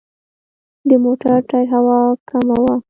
د موټر ټایر هوا کمه وه.